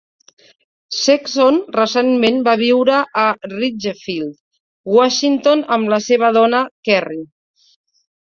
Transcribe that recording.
Sexson recentment va viure a Ridgefield, Washington amb la seva dona Kerry.